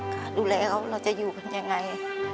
ขาดูแลงว่าจะอยู่ยังไง